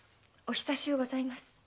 お久しゅうございます。